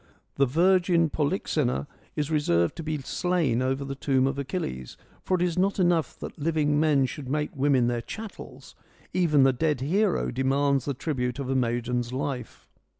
The virgin Polyxena is reserved to be slain over the tomb of Achilles ; for it is not enough that living men should make women their chattels ; even the dead hero demands the tribute of a maiden's life.